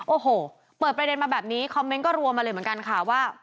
โอ้โหเปิดประเด็นมาแบบนี้คอมเมนต์ก็รวมมาเลยเหมือนกันค่ะว่า